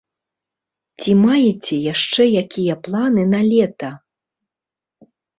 Ці маеце яшчэ якія планы на лета?